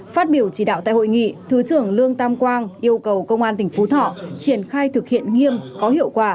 phát biểu chỉ đạo tại hội nghị thứ trưởng lương tam quang yêu cầu công an tỉnh phú thọ triển khai thực hiện nghiêm có hiệu quả